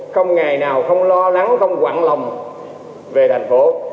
không ngày nào không lo lắng không quảng lòng về thành phố